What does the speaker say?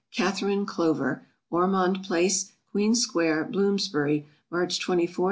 CATHARINE CLOVER. Ormond Place, Queen square, Bloomsbury, March 24, 1793.